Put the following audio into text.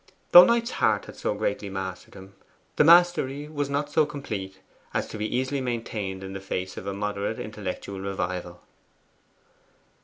Though Knight's heart had so greatly mastered him, the mastery was not so complete as to be easily maintained in the face of a moderate intellectual revival.